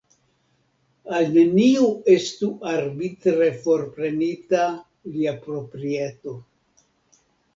Al neniu estu arbitre forprenita lia proprieto.